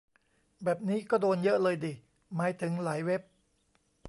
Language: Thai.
แบบนี้ก็โดนเยอะเลยดิ หมายถึงหลายเว็บ